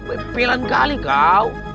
pebelan kali kau